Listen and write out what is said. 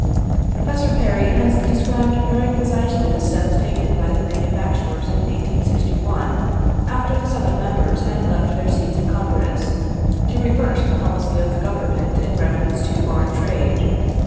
Professor Perry has described very concisely the steps taken by the manufacturers in 1861, after the Southern members had left their seats in Congress, to reverse the policy of the government in reference to foreign trade.